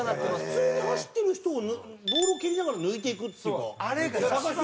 普通に走ってる人をボールを蹴りながら抜いていくっていうか差が広がっていくっていう。